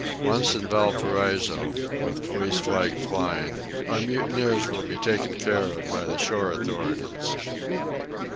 Once in Valparaiso, with police flag flying, our mutineers will be taken care of by the shore authorities.